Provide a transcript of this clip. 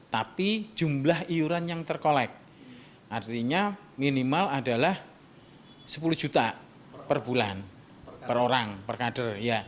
tapi jumlah iuran yang terkolek artinya minimal adalah sepuluh juta per bulan per orang per kader